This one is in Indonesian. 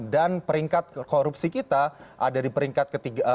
dan peringkat korupsi kita ada di peringkat delapan puluh sembilan